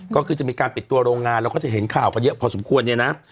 ก็คือจะมีการปิดตัวโรงงานเราก็จะเห็นข่าวกันเยอะพอสมควรเนี่ยนะ